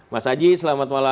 mas aji selamat malam